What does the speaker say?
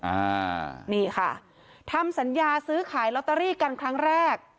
อ่านี่ค่ะทำสัญญาซื้อขายลอตเตอรี่กันครั้งแรก